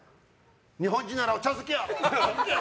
日本人ならお茶漬けやろ！って。